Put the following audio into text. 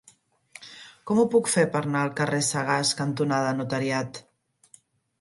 Com ho puc fer per anar al carrer Sagàs cantonada Notariat?